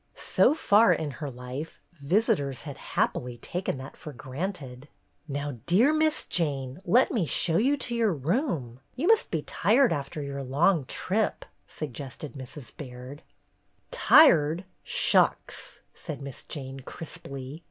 So far in her life, visitors had happily taken that for granted. "Now, dear Miss Jane, let me show you to your room. You must be tired after your long trip," suggested Mrs. Baird. 153 MISS JANE ARRIVES "Tired ? Shucks !" said Miss Jane, crisply.